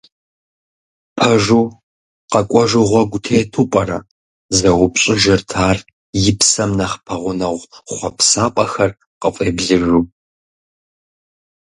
«Пэжу, къэкӀуэжу гъуэгу тету пӀэрэ?» — зэупщӀыжырт ар, и псэм нэхъ пэгъунэгъу хъуэпсапӀэхэр къыфӀеблыжу.